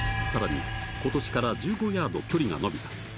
更に今年から１５ヤード距離が伸びた。